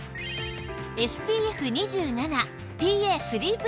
ＳＰＦ２７ＰＡ＋＋＋